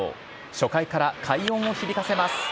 初回から快音を響かせます。